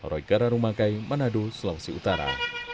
roy gararumakai menado sulawesi utara